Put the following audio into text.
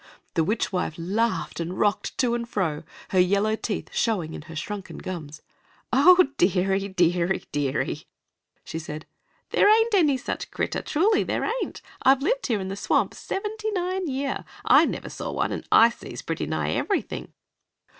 The witch wife laughed and rocked to and fro, her yellow teeth showing in her shrunken gums. "Oh, deary, deary, deary!" she said, "there ain't any such critter, truly there ain't. I've lived here in the swamp seventy nine year; I never saw one, and I sees pretty nigh everything."